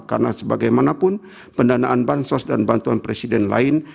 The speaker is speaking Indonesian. karena sebagaimanapun pendanaan bansos dan bantuan presiden lain